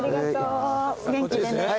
元気でね。